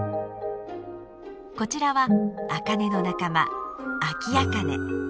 こちらはアカネの仲間アキアカネ。